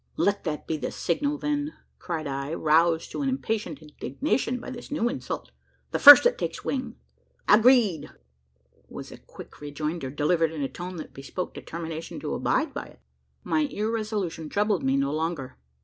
"Let that be the signal, then!" cried I, roused to an impatient indignation by this new insult: "the first that takes wing!" "Agreed!" was the quick rejoinder, delivered in a tone that bespoke determination to abide by it. My irresolution troubled me no longer.